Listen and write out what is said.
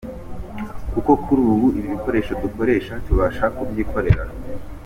Kuko kuri ubu, ibikoresho dukoresha tubasha kubyikorera.